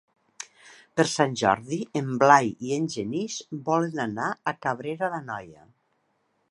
Per Sant Jordi en Blai i en Genís volen anar a Cabrera d'Anoia.